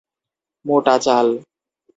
মোটা চাল।